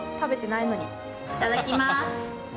いただきます。